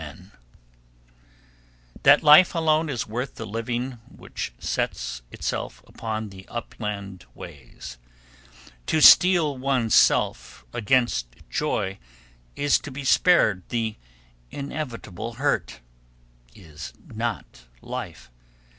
[Sidenote: Upon the Upland Ways] That life alone is worth the living which sets itself upon the upland ways. To steel one's self against joy to be spared the inevitable hurt, is not life.